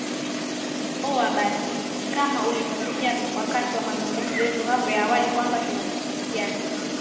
aa basi kama ulivyosikia katika mazungumzo yetu ya hapo awali kwamba tunazungumzia ligi